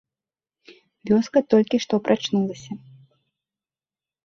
Вёска толькі што прачнулася.